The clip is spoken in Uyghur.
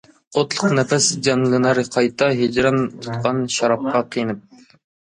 ئوتلۇق نەپەس جانلىنار قايتا، ھىجران تۇتقان شارابقا قېنىپ.